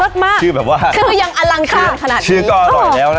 ชื่อแบบว่าคือยังอลังการขนาดนี้ชื่อก็อร่อยแล้วนะ